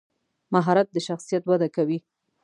مهارت د شخصیت وده کوي.